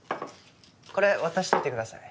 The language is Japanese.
これ渡しといてください。